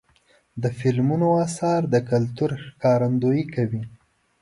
د فلمونو اثار د کلتور ښکارندویي کوي.